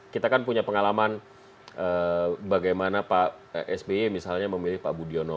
kita kan punya pengalaman bagaimana pak sby misalnya memilih pak budiono